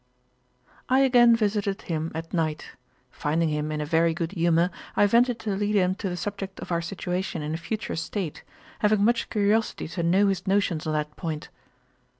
I again visited him at night. Finding him in a very good humour, I ventured to lead him to the subject of our situation in a future state, having much curiosity to know his notions on that point.